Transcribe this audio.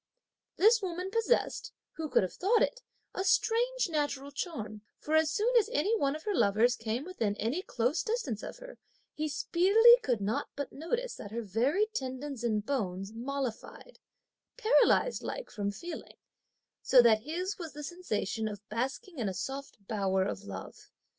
This woman possessed, who could have thought it, a strange natural charm; for, as soon as any one of her lovers came within any close distance of her, he speedily could not but notice that her very tendons and bones mollified, paralysed like from feeling, so that his was the sensation of basking in a soft bower of love.